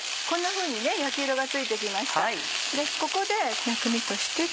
こんなふうに焼き色がついて来ました。